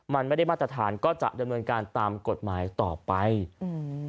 มันไม่ได้มาตรฐานก็จะดำเนินการตามกฎหมายต่อไปอืม